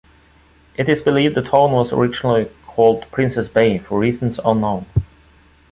It is believed the town was originally called Princess Bay for reasons unknown.